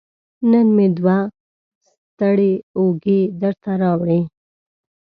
نن مې دوه ستړې اوږې درته راوړي